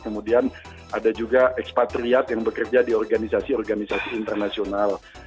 kemudian ada juga ekspatriat yang bekerja di organisasi organisasi internasional